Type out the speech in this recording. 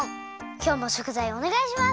きょうもしょくざいおねがいします。